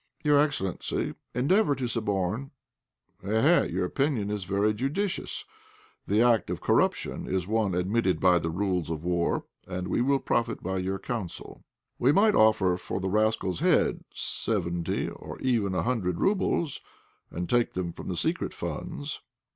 "Your excellency, endeavour to suborn." "Eh! eh! your opinion is very judicious; the act of corruption is one admitted by the rules of war, and we will profit by your counsel. We might offer for the rascal's head seventy or even a hundred roubles, and take them from the secret funds."